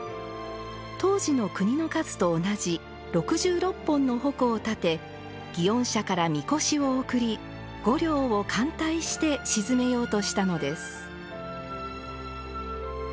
当時の国の数と同じ６６本の鉾を立て祇園社から神輿を送り御霊を歓待して鎮めようとしたのです。